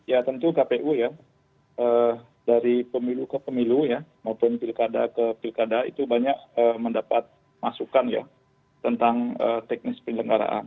ya tentu kpu ya dari pemilu ke pemilu ya maupun pilkada ke pilkada itu banyak mendapat masukan ya tentang teknis penyelenggaraan